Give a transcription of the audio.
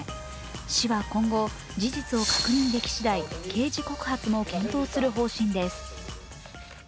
市は今後、事実を確認できしだい刑事告発も検討する方針です。